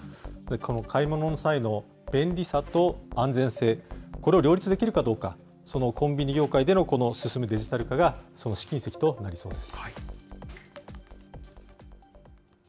買い物の際の便利さと安全性、これを両立できるかどうか、そのコンビニ業界での、この進むデジタル化が試金石となりそうです。